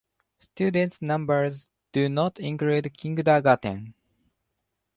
Student numbers do not include kindergarten.